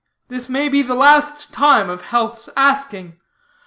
This may be the last time of health's asking.